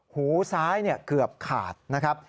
หูซ้ายเกือบขาดนะครับ